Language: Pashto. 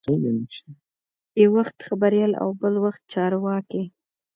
یو وخت خبریال او بل وخت چارواکی.